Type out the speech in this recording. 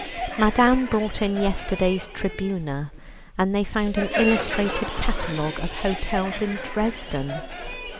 Madame brought in yesterday's Tribuna, and they found an illustrated catalogue of hotels in Dresden.